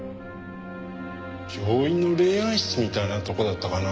病院の霊安室みたいなとこだったかな。